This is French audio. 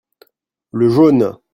le jaune.